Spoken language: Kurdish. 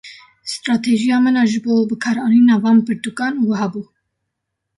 Stratejiya min a ji bo bikaranîna van pirtûkan wiha bû.